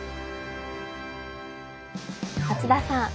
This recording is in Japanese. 松田さん